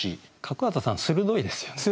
角幡さん鋭いですよね。